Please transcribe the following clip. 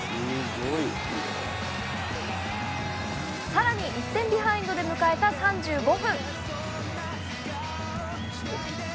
更に、１点ビハインドで迎えた３５分。